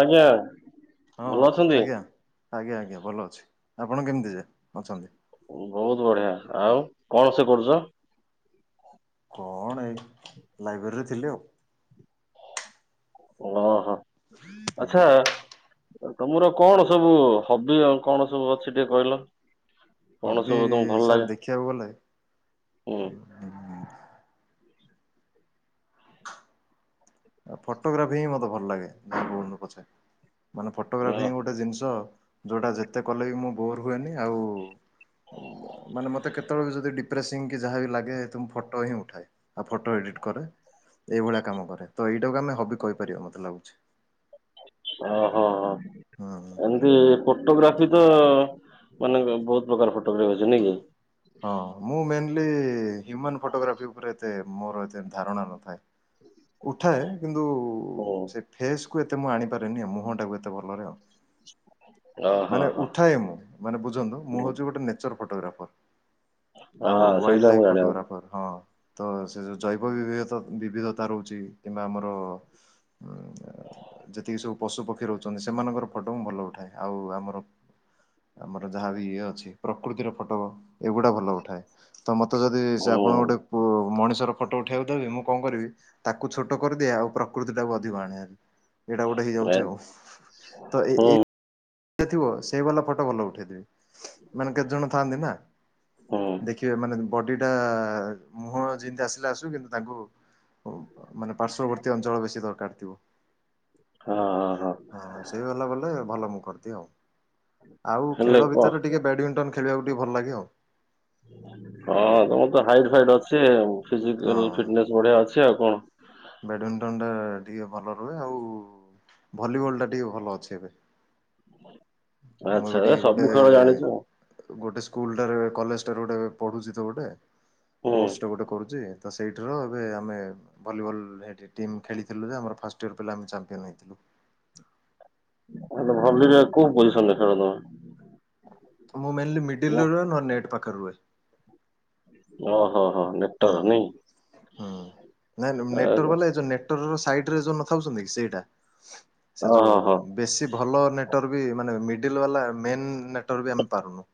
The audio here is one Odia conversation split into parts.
ଅଜ୍ଞା। ହଁ ଆଜ୍ଞା ଆଜ୍ଞା ଆଜ୍ଞା ଭଲ ଅଛି ଆପଣ କେମିତି ଯେ ଅଛନ୍ତି? ବହୁତ ବଢିଆ ଆଉ କଣ ସେ କରୁଛ? କଣ ଏଇ ଲାଇବ୍ରେରୀରେ ଥିଲି ଆଉ। ଓ ହୋ ହଁ ଆଚଛା। ତମର କଣ ସବୁ ହବି ଆ କଣ ସବୁ ଅଛି ଟିକେ କହିଲ। କଣ ହବି ସବୁ ତମ ଭଲ ସାର୍ ଲାଗେ ଦେଖିବାକୁ ଗଲେ ହୁଁ। ଆ ଫଟୋଗ୍ରାଫି ହିଁ ମତେ ଭଲ ଲାଗେ ଯାହା ହଉ ପଛେ ମାନେ ଫଟୋଗ୍ରାଫି ଗୋଟେ ଜିନିଷ ଯୋଉଟା ଯେତେ କଲେ ବି ମୁଁ ବୋର ହୁଏନି ଆଉ ମାନେ ମତେ କେ ତେବେଳେ ବି ଯଦି ଡିପ୍ରେସିଂ କି ଯାହା ବି ଲାଗେ ମୁଁ ଫଟୋ ହିଁ ଉଠାଏ ଆଉ ଫଟୋ ଏଡିଟ୍ କରେ। ଏଇଭଳିଆ କାମ। ଓ ହୋ ହ ହୁଁ। ହୁଁ। ଇଏ ଫଟୋଗ୍ରାଫି ତ ମାନେ ବହୁତ ପ୍ରକାର ଫଟୋଗ୍ରାଫି ଅଛି ନାଇଁ କି? ହଁ ମୁଁ ମେନ୍ଲି ହ୍ୟୁମାନ୍ ଫଟୋଗ୍ରାଫି ଉପରେ ଏତେ ମୋର ଏତେ ଧାରଣା ନଥାଏ। [inaudible] ଉଠାଏ କିନ୍ତୁ ହୁଁ ସେ ଫେସ୍ କୁ ଏତେ ମୁଁ ଆଣିପାରେନି ଆ ମୁହଁ ଟାକୁ ଏତେ ଭଲରେ ଆଉ। [inaudible] ଓହୋ ମାନେ ହୋ ଉଠାଏ ମୁଁ ମାନେ ବୁଝନ୍ତୁ ମୁଁ ହୁଁ। ହେଉଛି ଗୋଟେ ନେଚର୍ ଫଟୋଗ୍ରାଫର୍। ଆଉ ହଁ ସେଇଟା ୱାଇଲ୍ଡ ମୁଁ ଲାଇଫ୍ ଜାଣିବାକୁ ଫଟୋଗ୍ରାଫର ହଁ। ତ ସେ ଯୋଉ ଜୈବ ବିବିଧତା ରହୁଛି କିମ୍ବା ଆମର ଯେତିକି ସବୁ ପଶୁପକ୍ଷୀ ରହୁଛନ୍ତି ସେମାନଙ୍କର ଫଟୋ ମୁଁ ଭଲ ଉଠାଏ। ଆଉ ଆମର ଆମର ଯାହାବି ଇଏ ଅଛି ପ୍ରକୃତିର ଫଟ ଏଗୁଡ଼ା ଭଲ ଉଠାଏ ତ ମୋତେ ଯଦି ସେ ଆପଣ ଗୋଟେ। ହୁଁ ଗୋ ମଣିଷର ଫଟୋ ଉଠେଇବାକୁ ଦେବେ ମୁଁ କଣ କରିବ? ତାକୁ ଛୋଟ କରିଦିଏ ଆଉ ପ୍ରକୃତି ଟାକୁ ଅଧିକ ଆଣେ ହାରି। ଏଇଟା ଗୋଟେ ଏ- ହେଇଯାଉଛି ଆଉ ତ ଏ ହୁଁ ଏ ଥିବ ସେଇ ବାଲା ଫଟୋ ଭଲ ଉଠେଇଦେବି ମାନେ କେତେ ଜଣ ଥାଆନ୍ତି ନା ହୁଁ ଦେଖ ଖିବେ ମାନେ ବଡିଟା ମୁହଁ ଯେମିତି ଆସିଲେ ଆସୁ କିନ୍ତୁ ତାଙ୍କୁ ମାନେ ପାର୍ଶ୍ୱବର୍ତ୍ତୀ ଅଞ୍ଚଳ ବେଶୀ ଦରକାର ଥିବ। ହଁ ହଁ ହଁ। ହଁ ସେଇ ଗଲା ଗଲେ ଭଲ ମୁଁ କରିଦିଏ ଆଉ ଆଉ ହେଲେ ଖେଳ କଣ ଭିତରେ ଟିକେ ବ୍ୟାଡ଼ମିଣ୍ଟନ୍ ଖେଳିବାକୁ ଟିକ ଭଲ ଲାଗେ ଆଉ। ହଁ ତମର ତ ହାଇଟ ଫାଇଟ ଅଛି [unintelligible] ଫଟନେସ୍ ବଢ଼ିଆ ଅଛି ଆଉ କଣ? ବ୍ୟାଡ଼ମିଣ୍ଟନଟା ଟିକେ ଭଲ ରୁହେ ଆଉ ଭଲିବଲ୍ଟା ଟିକେ ଭଲ ଅଛି ଏବେ। ମୁଁ ଆଚ୍ଛା ବି ଏ ଟିିକେ ଗୋଟେ ସବୁ ଖେଳ ଜାଣିଛୁ ଆଉ। ଗୋଟେ ସ୍କୁଲ ଟାରେ କଲେଜ ଟାରେ ଗୋଟେ ପଢୁଛି ତ ଗୋଟେ ହୁଁ କୋର୍ସ ଟା ଗୋଟେ କରୁଛି। ତ ସେଇଠରୁ ଏବେ ଆମେ ଭଲିବଲ ହେଠି ଟିମ୍ ଖେଳିଥିଲୁ ଯେ ଆମର ଫାଷ୍ଟ [unintelligible] ଆମେ ଚାମ୍ପିୟନ୍ ହେ। [unintelligible] ମୁଁ ମେନଲି ମିଡ଼ିଲ ରହେ ନେଟ୍ ପାଖରେ ରୁହେ। ଓହୋ ହୋ ନେ ହଁ ହୁଁ ନାଇଁ ନାଇଁ ମୁଁ ନେଟୱାର ବଲେ ଏ ଯୋଉ ନେଟ। ଟୱାର ର ସାଇଟ ରେ ଯୋଉ ନଥାଉଛନ୍ତି ସେଇଟା ସେ ଓହୋ ହୋ। ଯୋଉ। ବେଶୀ ଭଲ ନେଟୱାର୍କ ବି ମାନେ ମିଡିଲ ବାଲା ମେନ୍ ନେଟୱାର୍କ ବି ଆମେ ପାରୁନୁ।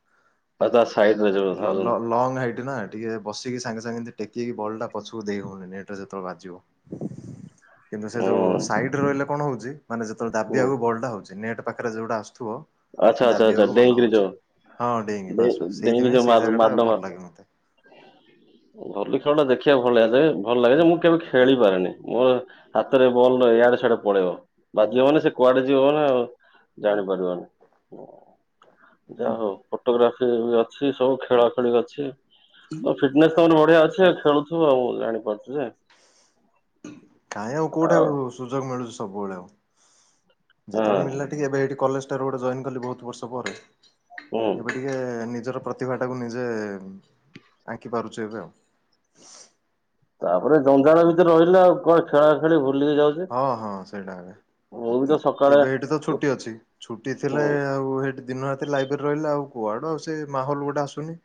ଆଉ ତା ସାଇଡରେ ଯୋଉ ଲ ଥାଉଛନ୍ତି ଲ ଲଙ୍ଗ ହାଇଟ ନା। ଟିକେ ବସିକି ସାଙ୍ଗେ ସାଙ୍ଗେ ଏମିତି ଟେକି ହେଇକି ବଲ୍ ଟା ପଛକୁ ଦେଇ ହଉନି ନେଟରେ ଯେତେବେଳେ ବାଜିବ‌। କିନ୍ତୁ ସେ ଯୋଉ ହୁଁ ସାଇଡ ରହିଲେ କଣ ହଉଛି ମାନେ ଯେତବେଳେ ହୁଁ, ଡାବିଆକୁ ବଲଟା ହଉଛି ନେଟ। ପାଖରେ ଯଉଟା ଆସୁଥିବ। ଆଚ୍ଛା ଆଚ୍ଛା ଆଚ୍ଛା ଦାବିବାକୁ ଭଲ ଡେଇଁକିରି ହଉଛି ଯୋଉ ହଁ ଡେଇଙ୍କି ଡେଇଁ ବାସ ବାସ ଡେଇଁକି ଯୋଉ ସେଇଥିପାଇଁ ମାଡ ସେଇ ଜାଗା ଟା ମାର ଭଲ ଲାଗେ ମତେ। ଭଲି ଖେଳ ଟା ଦେଖିବାକୁ ଭଲଆ ଭଲ ଲାଗେ ଯେ ମୁଁ କେବେ ଖେଳି ପାରେନି। ମୋ ହାତରେ ବଲ ଇଆଡେ ସଆଡେ ପଳେଇବ ବାଜିବ ମାନେ ସେ କୁଆଡେ ଯିବ ନା ଆଉ। ଜାଣିପାରିବନି। ଯାହା ହଉ ଫଟୋଗ୍ରାଫି ବି ଅଛି ସବୁ ଖେଳା ଖେଳି ଅଛି। ତମ ଫିଟନେସ୍ ତାମାନେ ବଢିଆ ଅଛି ଆଉ ଖେଳୁଥିବ ଆଉ ମୁଁ ଜାଣିପାରୁଛି ଯେ। କାଇଁ ଆଉ କୋଉଠି ଆଉ ସୁଯୋଗ ମିଳୁଛି ସବୁବେଳେ ଆଉ ଯେତେବେଳେ ହଁ ମିଳିଲା। ଏବେ ଏଇଠି କଲେଜ ଟାରେ ଗୋଟେ ଜଏନ୍ କଲି ବହୁତ ବର୍ଷ ପରେ ହୁଁ। ଏବେ ଟିକ। ଟିକେ ନିଜର ପ୍ରତିଭା ଟା କୁ ନିଜେ ଆଙ୍କି ପାରୁଛ ଏବେ ଆଉ। ତାପରେ ଜଞ୍ଜାଳ ଆଜ୍ଞା। ଭିତରେ ରହିଲେ ଆଉ କୁଆଡେ ଖେଳା ଖେଳି ଭୁଲି ହିଁ ଯାଉଛୁ। ହଁ ହଁ ସେଇଟା ଆଜ୍ଞା ସକାଳେ ଏବେ ହେଇଠି ତ ଛୁଟି ଅଛି ଛୁଟି ଥିଲେ ହୁଁ ଆଉ। ହେଇଠି ଦିନ ରାତିରେ ଲାଇବ୍ରେରି ରେ ରହିଲେ ଆଉ କୁଆଡୁ ଆଉ ସେ ମାହୋଲ ଗୋଟେ ଆସୁନି।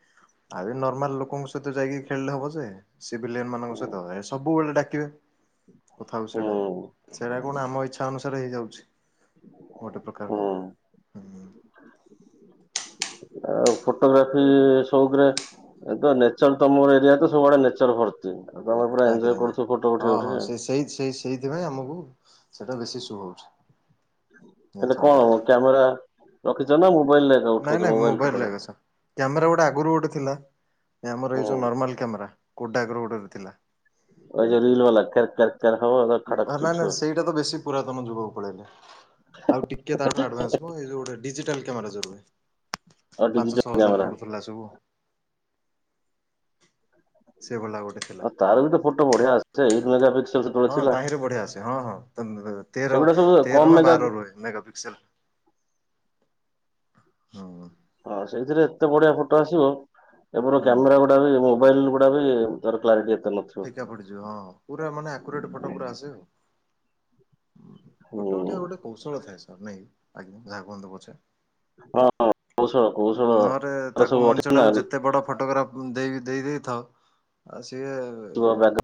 ଆଉ ଏ ନର୍ମାଲ ଲୋକଙ୍କ ସହିତ ଯାଇକି ଖେଳିଲେ ହବ ଯେ। ସିଭିଲିଏନ ମାନଙ୍କ ହୁଁ ସହିତ ଏ ସବୁବେଳେ ଡାକିବେ। କଥାହଉଚି ସେଟା ହୁଁ ସେଇଟା କଣ ଆମ ଇଚ୍ଛା ଅନୁସାରେ ହେଇଯାଉଛି। ଗୋଟେ ପ୍ରକାର ହୁଁ। ଆଉ ଫଟୋଗ୍ରାଫି ସଉକରେ। ଏ ତ ନେଚର ତମର ଏରିଆତ ସବୁଆଡେ ନେଚର ଭର୍ତ୍ତି ଆଉ ତମେ ପୁରା ଆଜ୍ଞା ଏଞୟ ଆଜ୍ଞା। କରୁଥିବ ଫଟୋ ହଁ ଉଠେଇ ହଁ ଉଠେଇ। ସେ ସେଇ ସେଇ ସେଇଥି ପାଇଁ ଆମକୁ ସେଇଟା ବେଶୀ ଶୁହୋଉଛି। ହେଲେ କଣ ହବ କ୍ୟାମେରା ରଖିଛ ନା ମୋବାଇଲରେ। ଏକା ନାଇଁ ଉଠଉଛ ନାଇଁ ମୋବାଇଲ ଫଟୋ ମୋବାଇଲରେ ଏକା ସାର। କ୍ୟାମେରା ଗୋଟେ ଆଗରୁ ଗୋଟେ ଥିଲା ଆମର ଏଇ ହୁଁ। ଯେଉଁ ନର୍ମାଲ କ୍ୟାମେରା କେଡାକର ଗୋଟେ ଥିଲା। ଏଯୋଉ ରୀଲ ବାଲା କ ଖାଇ କ୍ୟାରେ କ୍ୟାରେ। କେର ହବ। ଉଁ ହଁ ଖଡକ ନା ନା ଉଠିବ ସେଇଟା ତ ବେଶୀ ପୁରାତନ ଯୁଗକୁ ପଳେଇଲ। ଆଉ ଟିକେ ତାଠୁ ଆଡଭାନ୍ସ ମଁ ଏଜୋଉ ଗୋଟେ ଡିଜିଟାଲ କ୍ୟାମେରା ଜୋଉରୁଏ ଆଉ ‌। ପାଞ୍ଚ ଡିଜିଟାଲ ଛଅ ହଜାର କ୍ୟାମେରା। ପଡୁଥିଲା ସବୁ। ସେ ବଲା ଗୋଟେ। ଥିଲା। ଆଉ ତାର ବି ତ ଫଟୋ ବଢିଆ ଆସେ ଏଇଟ ମେଗାପିକ୍ସଲ। ହଁ ତାହିଁରେ ବଢିଆ ଆସେ ହଁ ହଁ ତ ତ ତେର ସେଗୁଡା ସବୁ କମ ତେର ନା ମେଗା ବାର ରୁହେ। ମେଗାପିକ୍ସେଲ ହୁଁ। ହଁ ସେଇଥିରେ ଏତେ ବଢିଆ ଫଟୋ ଆସିବ ଏବେର ହୁଁ କ୍ୟାମେରା ଗୁଡା ବି ମୋବାଇଲ। ଗୁଡା ବି ତାର କ୍ଲାରଟି ଏତେ ନଥିବ। ଫିକା ପଡିଯିବ ହଁ ପୁରା ମାନେ ଆକୁରେଟ ଫଟୋ ପୁରା ଆସେ ଆଉ। ହୁଁ ଫଟୋ ଉଠିବା ର ଗୋଟେ କୌଶଳ ଥାଏ ସାର୍ ନାଇଁ ଆଜ୍ଞା ଯାହାକୁଅନ୍ତୁ ପଛେ। ହଁ କୌଶଳ କୌଶଳ ନହରେ ତାର ତାକୁ ସବୁ ମଣିଷ ଅଛି ନା ଟାକୁ ଯେତେ ବଡ ଫଟୋଗ୍ରାଫ। ଦେଇକି ଦେଇ ଦେଇ ଥାଅ ଆଉ ସିଏ। ଟୂଆରାଗ।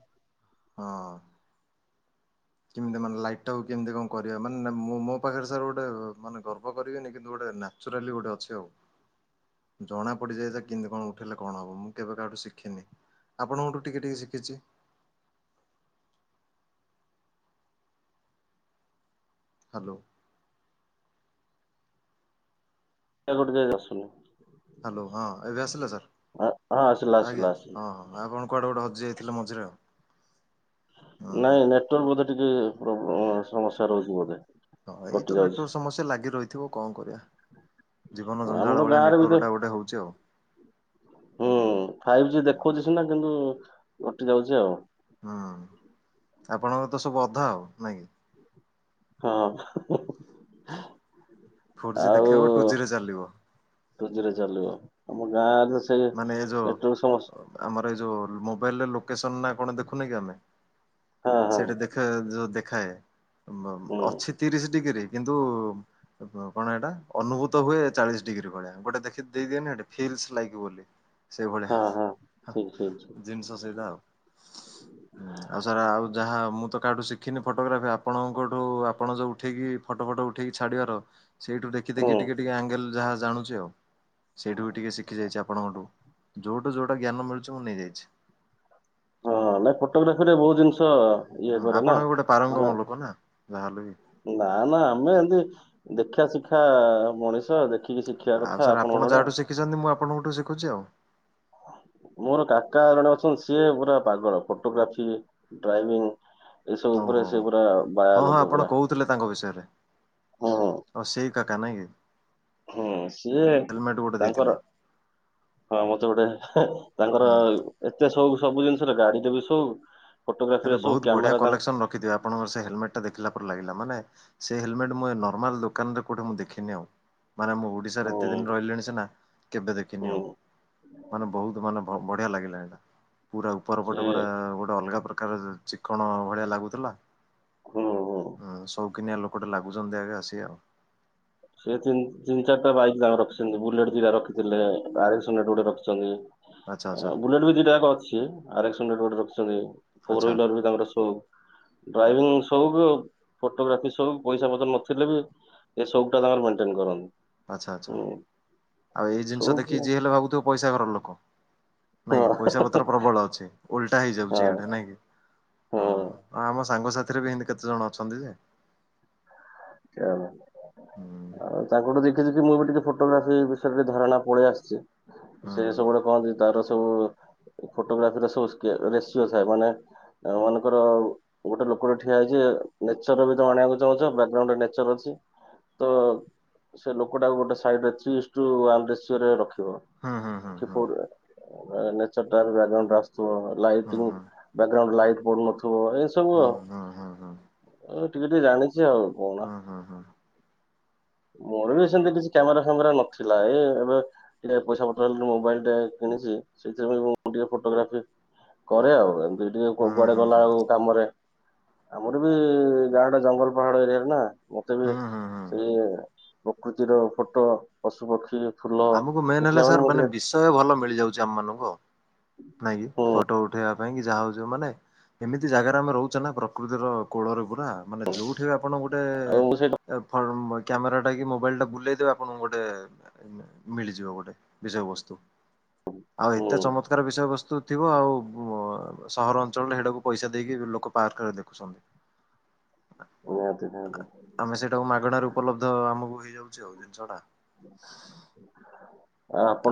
ହଁ। କେମିତି ମାନେ ଲାଇଟ୍ ଟାକୁ କେମିତି କଣ କରିବା ମାନେ ମୁଁ ମୋ ପାଖରେ ସାର୍ ଗୋଟେ ମାନେ ଗର୍ବ କରିବିନି କିନ୍ତୁ ଗୋଟେ ନା। ଚୁରାଲି ଗୋଟେ ଅଛି ଆଉ। ଜଣା ପଡ଼ିଯାଏ ଯେ କେମିତି କଣ ଉଠେଇଲେ କଣ ହବ ମୁଁ କେବେ କାହାଠୁ ଶିଖିନି। ଆପଣଙ୍କ ଠୁ ଟିକେ ଟିକେ ଶିଖିଛି। ହାଲୋ। [unintelligible] ଆସୁନି। ହାଲୋ ହଁ ଏବେ ଆସିଲା ସାର୍ ହଁ ଆସିଲା ଆସିଲା ଆଜ୍ଞା ଆସିଲା। ହଁ ହଁ। ଆପଣ କୁଆଡ଼େ ଗୋଟେ ହଜିଯାଇଥିଲେ ମଝିରେ ଆଉ। ହୁଁ ହୁଁ। ନାଇଁ ନେଟୱାର୍କ ବୋଧେ ଟିକେ ପ୍ରୋ ସମସ୍ୟା ରହୁଚି ବୋଧେ। ହଁ କଟି ଏଇତ ଯାଉଛି। ନେଟୱାର୍କ ସମସ୍ୟା ଲାଗିରହିଥିବ କଣ କରିବା। ଜୀବନ ଆମର ଜଞ୍ଜାଳ ଭଳିଆ ଗାଁରେ ବି ତ ନେଟୱାର୍କ ଟା ଗୋଟେ ହଉଛି ଆଉ। ହୁଁ ଫାଇଭି ଜି ଦେଖଉଛି ସିନା କିନ୍ତୁ କଟି ଯାଉଚି ଆଉ। ହୁଁ ଆପଣଙ୍କର ତ ସବୁ ଅଧା ଆଉ ନାଇଁ କି। ହଁ ଫୋର୍ ଜି ଆଉ ଦେଖେଇବ ଟୁ ଜି ରେ ଚାଲିବ। ଟୁ ଜି ରେ ଚାଲିବ ଆମ ଗାଁରେ ସେ ମାନେ ଏ ଯୋଉ ନେଟୱାର୍କ ସମ ଆମର ଏଇ ଯୋଉ ମୋବାଇଲ୍ ରେ ଲୋକେସନ୍ ନା କଣ ଦେଖୁନେ କି ଆମେ ହଁ ହଁ ସେଟା ଦେଖାଏ ଯଉ ଦେଖାଏ ବ ହୁଁ ଅଛି ତିରିଶ୍ ଡିଗ୍ରୀ କିନ୍ତୁ କଣ ଏଇଟା ଅନୁଭୂତ ହୁଏ ଚାଳିଶି ଡ଼ିଗ୍ରୀ ଭଳିଆ ଗୋଟେ ଦେଖି ଦେଇଦିଏନି ଫିଲ୍ସ୍ ଲାଇକ୍ ବୋଲି ହଁ ହଁ ସେଇଭଳିଆ ଠିକ ଠିକ ଠିକ ଜିନିଷ ସେଇଟା ଆଉ। ହୁଁ ଆଉ ସାର୍ ଆଉ ଯାହା ମୁଁ ତ କାହାଠୁ ଶିଖିନି ଫଟୋଗ୍ରାଫି ଆପଣଙ୍କଠୁ ଆପଣ ଯୋଉ ଉଠେଇକି ଫଟୋ ଫଟ ଉଠେଇକି ଛାଡିବାର ସେଇଠୁ ଦେଖ ଦେଖି ହୁଁ ଦେଖି ଟିକେ ଟିକେ ଆଙ୍ଗେଲ ଯାହା ଜାଣୁଚି ଆଉ ସେଇଠୁ ବି ଟିକେ ଶିଖିଯାଇଚି ଆଉ। ଆପଣଙ୍କଠୁ ଯୋଉଠୁ ଯୋଉଟା ଜ୍ଞାନ ମିଳୁଚି ମୁଁ ନେଇଯାଇଛି। ହଁ ନାଇଁ ଫଟୋଗ୍ରାଫି ରେ ବହୁତ ଜିନିଷ। ଇଏ ହଁ କରେ ନା ଆପଣ ବି ଗୋଟେ ମାନେ ପାରଙ୍ଗମ ଲୋକ ନା ଯାହାହେଲେବି ନା ନା ଆମେ ଏମତି ଦେଖା ଶିଖା ମଣିଷ ଦେଖି ଆଉ ସାର୍ ଆପଣ ଯାହାଠୁ ଶିଖିଚନ୍ତି ମୁଁ ଆପଣଙ୍କଠୁ ଶିଖୁଚି ଆଉ। ମୋର କାକା ଜଣେ ଅଛନ୍ତି ସିଏ ପୁ ରା ପାଗଳ ଫଟୋଗ୍ରାଫି ଡ୍ରାଇଭିଂ। ଏସବୁ ଉପରେ ଓହୋ ସେ ପୁରା ବାୟା ହଁ ହଁ ଲୋକ ଆପଣ ପୁରା କହୁଥିଲେ ତାଙ୍କ ବିଷୟରେ। ହୁଁ ଅ ସେଇ କାକା ନାଇଁ କି। ହୁଁ ସିଏ ହେଲମେଟ୍ ଗୋଟେ ଦେଇଥିଲେ। ତାଙ୍କର। ହଁ ମତେ ଗୋଟେ ତାଙ୍କର ହୁଁ ଏତେ ସଉକ ସବୁ ଜିନିଷରେ ଗାଡ଼ି ଟା ବି ସଉକ ହେଲେ ଫଟୋଗ୍ରାଫିରେ ବହୁ ସଉକ ବଢ଼ିଆ କ୍ୟାମେରା ତାଙ୍କ କଲେକ୍ସନ ରଖିଥିବ ଆପ ଆପଣଙ୍କ ସେ ହେଲମେଟ ଟା ଦେଖିଲା ପରେ ଲାଗିଲା ମାନେ ସେ ହେଲମେଟ ମୁ ଏ ନର୍ମାଲ ଦୋକାନରେ କୋଉଠି ମୁଁ ଦେଖିନି ଆଉ। ମାନେ ମୁଁ ଓଡ଼ିଶାରେ ହୁଁ ଏତେ ଦିନ ରହିଲିଣି ସିନା କେବେ ଦେଖିନି ହୁଁ ଆଉ। ମାନେ ବହୁତ୍ ମାନେ ବ ବଢ଼ିଆ ଲାଗିଲା [unintelligible] ପୁରା ଉପର ପଟେ ସେ ପୁରା ଗୋଟେ ଅଲଗା ପ୍ର କାଗଜ ଚିକଣ ଭଳିଆ ଲାଗୁଥିଲା। ହୁଁ ହୁଁ। ହୁଁ ସଉକିନିଆ ଲୋକଟେ ଲାଗୁଚନ୍ତି ଆଜ୍ଞା ସେୟା ଆଉ ସେ ତିନ ତିନ ଚାରଟା ବାଇକ ତାଙ୍କ ରଖିଚନ୍ତି ବୁଲେଟ ଦିଟା ରଖିଥିଲେ ଆରେକସ ହୁଣ୍ଡରେଡ ଗୋଟେ ରଖିଚନ୍ତି। ଆଚ୍ଛା ଆଚ୍ଛା। ଅ ବୁଲେଟ ବି ଦିଟାଯାକ ଅଛି ଆର ଏକ୍ସ ହୁଣ୍ଡ୍ରେଡ ବି ଗୋଟେ ରଖିଚନ୍ତି ଫୋର ଆଚ୍ଛା ହ୍ୱିଲର ବି ତାଙ୍କର ସଉକ। ଡ୍ରାଇଭିଂ ସଉକୁ ଫଟୋଗ୍ରାଫି ସଉକ ପଇସା ପତ୍ର ନଥିଲେ ବି ଏସବୁ। ହେରା ତାଙ୍କର ମେଣ୍ଟେନ କରନ୍ତି। ଆଚ୍ଛା ଆଚ୍ଛା ହୁଁ ଆଉ ଏଇ ଜିନଷ ସଉକ ଦେଖିକି ଯିଏ ହେଲେ ଭାବୁଥିବ ପଇସା ଘରର ଲୋକ। ନାଇଁକି ହଁ ପଇସା ପତ୍ର ପ୍ରବଳ ଅଛି ଓଲଟା ହେଇଯାଉଚି ଇଆଡେ ନାଇଁକି ହଁ ଆମ ସାଙ୍ଗ। ସାଥିରେ ବି ଏନ୍ତି କେତେଜଣ ଅଛନ୍ତି ଯେ। ଆଚ୍ଛା। ହୁଁ ଆଉ ତାଙ୍କଠୁ ଦେଖି ଦେଖି ମୁଁ ଏବେ ଟିକେ ଫଟୋଗ୍ରାଫି ବିଷୟରେ ଟିକେ ଧାରଣା ପଳେଇ ଆସଚି। ହୁଁ ସେ ସବୁବେଳେ କହନ୍ତି ତର ସବୁ ଫୋଟୋଗ୍ରାଫିର ସବୁ ରେସିଓ ଥାଏ ମାନେ ଆ ମାନଙ୍କର ଆଉ ଗୋଟେ ଲୋକଟେ ଠିଆ ହେଇଛି ନେଚରର ବି ତମେ ଆଣିବାକୁ ଚାହୁଁଛ ବା [unintelligible] ନେଚର ଅଛି ତ ସେ ଲୋକଟାକୁ ଗୋଟେ ସାଇଡ଼ରେ ଥ୍ରି ଇଯ୍ ଟୁ ୱାନ ରେସିଓରେ ରଖିବ ହୁଁ ହୁଁ ହୁଁ [unintelligible] ନେଚର ଟା ବ୍ୟାଗ୍ରାଉଣ୍ଡ ରୁ ଆସୁଥିବ ହୁଁ ଲାଇଟିଂ ହୁଁ ବ୍ୟାଗ୍ରାଉଣ୍ଡ ଲାଇଟ ପଡୁନଥିବ ଏ ହୁଁ ହୁଁ ହୁଁ ହୁଁ। ଏ ଟିକେ ଟିକେ ଜାଣିଛି ଆଉ କଣ? ହୁଁ ହୁଁ ହୁଁ ମୋର ବି ସେମିତି କିଛି କ୍ୟାମେରା ଫ୍ୟାମେରା ନଥିଲା ଏଇ ଏବେ ଟିକେ ପଇସା ପଠେଇଲୁନୁ ମୋବାଇଲଟେ କିଣିଚି ସେଥିରେ ମୁଁ ଟିକେ ଫଟୋଗ୍ରାଫି କରେ ଆଉ ଏମିତି ଟିକେ ହୁଁ ହୁଁ ହୁଁ କୋଉଆଡ଼େ ଗଲା ହୁଁ ବେଳକୁ କାମରେ ଆମର ବି ଗାଁଟା ଜଙ୍ଗଲ ପାହାଡ଼ ଏରିଆ ଟା ନା ମତେ ବି ହୁଁ ହୁଁ ହୁଁ ସେଇ ପ୍ରକୃତିର ଫଟୋ ପଶୁ ପକ୍ଷୀ ଫୁଲ ଆମକୁ ମେନ୍ ଦେଖିଲା ହେଲେ ସାର୍ ମୁଁ ମାନେ ଟିକେ ବିଷୟ ଭଲ ମିଳିଯାଉଛି ଆମମାନଙ୍କୁ ଆଉ ନାଇଁ କିି ହୁଁ ଫଟୋ ଉଠେଇବା ପାଇଁ କି ଯାହା ହଉଛିି ମାନେ ଏମିତି ଜାଗାରେ ଆମେ ରହୁଛେ ନା ପ୍ରକୃତିର କୋଳରେ ପୁରା ମାନେ ଯୋଉଠି ବି ଆପଣ ଗୋଟେ ଆଉ ମୁଁ ସେଇଟା [unintelligible] କ୍ୟାମେରା ଟା କି ମୋବାଇଲ ଟା ବୁଲେଇଦେବେ ଆପଣଙ୍କୁ ଗୋଟେ ମିଳିଯିବ ଗୋଟେ ବିଷୟ ବସ୍ତୁ ଆଉ ହୁଁ ଏତେ ଚମତ୍କାର ବିଷୟବସ୍ତୁ। ଥିବ ଆଉ ସହର ଅଞ୍ଚଳରେ ହେଟାକୁ ପଇସା ଦେଇକି ଲୋକ ପାର୍କରେ ଦେଖୁଛନ୍ତି ନିହାତି ନିହାତି ଆମେ ସେଇଟାକୁ ମାଗଣାରେ ଉପଲବ୍ଧ ଆମକୁ ହେଇଯାଉଛି ଆଉ ଜିନିଷ ଟା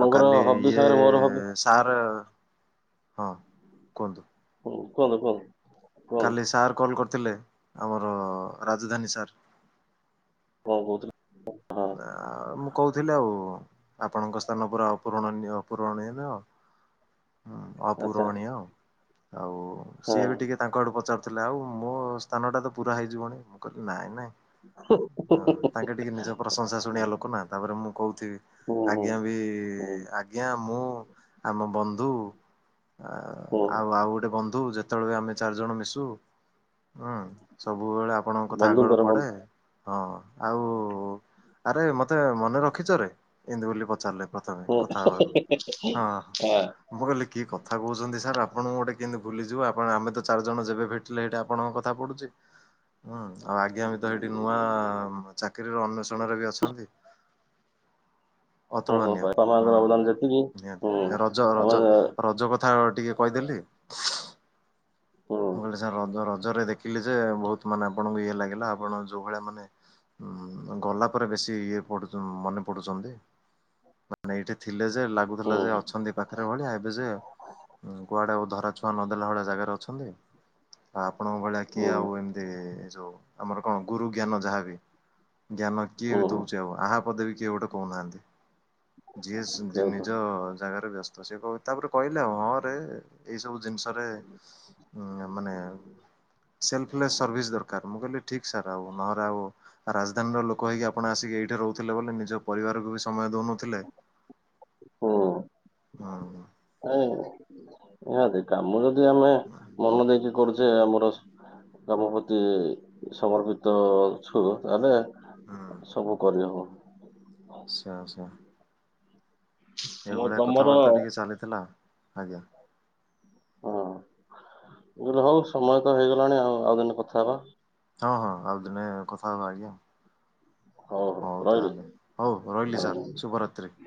ଆଉ କାଲି ହବି ଇଏ ସାଙ୍ଗରେ ମୋର ହବି ସାର୍ ହଁ କୁହନ୍ତୁ। ହୁଁ କୁହନ୍ତୁ କୁହନ୍ତୁ। କୁହନ୍ତୁ କାଲି ସାର୍ କଲ୍ କରିଥିଲେ ଆମର ରାଜଧାନୀ ସାର୍। କଣ କହୁଥିଲେ? ହଁ ନା ମୁଁ କହୁଥିଲି ଆଉ ଆପଣଙ୍କ ସ୍ଥାନ ପୁରା ଅପୂରଣନୀୟ ଅପୂରଣୀୟ। ହୁଁ ଆଚ୍ଛା ଅପୂରଣୀୟ ଆଉ ହଁ ସିଏ ବି ଟିକେ ତାଙ୍କ ଆଡ଼ୁ ପଚାରୁଥିଲେ ଆଉ ମୋ ସ୍ଥାନଟା ତ ପୁରା ହେଇଯିବଣି ମୁଁ କହିଲି ନାଇଁ ନାଇଁ। ହଁ ତାଙ୍କେ ଟିକେ ନିଜ ପ୍ରଶଂସା ଶୁଣିବା ଲୋକ ନା ତାପରେ ମୁଁ କହୁଥିବି ହୁଁ ହୁଁ ଆଜ୍ଞା ବି ହୁଁ [unintelligible] ଆଜ୍ଞା ମୁଁ ଆମ ବନ୍ଧୁ ଆଉ ହୁଁ ଆଉ ଆଉ ଗୋଟେ ବ ବନ୍ଧୁ ଯେତେବେଳେ ବି ଆମେ ଚାରି ଜଣ ମିଶୁ ହୁଁ ସବୁବେଳେ ଆପଣଙ୍କ କଥା ଆଗଡ଼ ବନ୍ଧୁଙ୍କର ପଡ଼େ ବନ୍ଧୁ ହଁ ଆଉ ଆରେ ମତେ ମନେ ରଖିଛ ରେ ଏମିତି ବୋଲି ପଚାରିଲେ। ପ୍ରଥମେ ହୁଁ କଥା ହେବାରୁ ହଁଁ। ଆ ମୁଁ କହିଲି କି କଥା କହୁଛନ୍ତି ସାର୍ ଆପଣଙ୍କୁ ଗୋଟେ କେମିତି ଭୁଲିଯିବୁ ଆପଣ ଆମେ ତ ଚାରି ଜଣ ଯେବେ ଭେଟ ଲେଟ୍ ଆପଣଙ୍କ କଥା ପଡୁଛି। ହୁଁ ଆଉ ଆଜ୍ଞା ବି ତ ଏଇଠି ନୂଆ ଚାକିରି ର ଅନ୍ୱେଷଣରେ ବି ଅଛନ୍ତି। ସମସ୍ତଙ୍କ ଅତୁଳନୀୟ ପାଇଁ ବାପା ହୁଁ ମାଙ୍କର ଅବଦାନ ଯେତିକି ହୁଁ ନିହାତି ରଜ ଆମ ରଜ ରଜ କ [unintelligible] ଟିକେ କହିଦେଲି। ହୁଁ ମୁଁ କହିଲି ସାର୍ ରଜ ରଜରେ ଦେଖିଲି ଯେ ବହୁତ୍ ମାନେ ଆପଣଙ୍କୁ ଇଏ ଲାଗିଲା ଆପଣ ଯୋଉ ଭଳିଆ ମାନେ ଉଁ ଗଲା ପରେ ବେଶୀ ଇଏ ପଡୁ ମନେ ପଡୁଛନ୍ତି ମାନେ ଏଇଟି ଥିଲେ ଯେ ଲାଗୁଥିଲା ହୁଁ ଯେ ଅଛନ୍ତି। ପାଖରେ ଭଳିଆ ଏବେ ଯେ କୁଆଡ଼େ ଧରାଛୁଆଁ ନଦେଲା ଭଳିଆ ଜାଗାରେ ଅଛନ୍ତି। ଆ ଆପଣଙ୍କ ଭଳିଆ ହୁଁ କିଏ ଆଉ ଏମିତି ଏ ଯୋଉ ଆମର କଣ ଗୁରୁ ଜ୍ଞାନ ଯାହାବି। ଜ୍ଞାନ କିଏ ହୁଁ ବି ଦଉଛି ଆଉ ଆହା ପଦେ ବି କିଏ ଗୋଟେ କହୁନାହାନ୍ତି। ଯିଏ ସେଉଠୁ ନିଜ ଜାଗାରେ ବ୍ୟ ତ ସେ କହ ତାପରେ କହିଲେ ହଁ ରେ ଏଇ ସବୁ ଜିନିଷରେ ମାନେ ସେଲଫଲେସ୍ ସର୍ଭିସ୍ ଦରକାର ମୁଁ କହିଲି ଠିକ୍ ସାର୍ ଆଉ ନହେଲେ ଆଉ ରାଜଧାନୀର ଲୋକ ହେଇକି ଆପଣ ଆସିକି ଏଇଠି ରହୁଥିଲେ ବୋଲି ନିଜ ପରିବାରକୁ ବି ସମୟ ଦଉନଥିଲେ। ହୁଁ ହୁଁ। ନିହାତି କାମ ଯଦି ଆମେ ହୁଁ ମନ ଦେଇକି କରୁ ସେ ଆମର ଗ୍ରାମ ପ୍ରତି ସମର୍ପିତ ଅଛୁ ତାହେଲେ। ହୁଁ ସବୁ କରି ହବ। [unintelligible] ମୁଁ ଏଇଭଳିଆ ତମର ହଁ କଥାବାର୍ତ୍ତା ଟିକେ ଚାଲିଥିଲା ଆଜ୍ଞା। ହଁ ମୁଁ କହିଲି ହଉ ସମୟ ତ ହେଇଗଲାଣି ଆଉ ଆଉ ଦିନେ କଥା ହେବା। ହଁ ହଁ ଆଉ ଦିନେ କଥା ହବା ଆଜ୍ଞା। ହଉ ତାହେଲେ ହଉ ରହିଲି ସାର୍ ଶୁଭରାତ୍ରି।